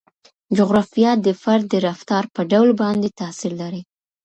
جغرافیه د فرد د رفتار په ډول باندې تاثیر لري.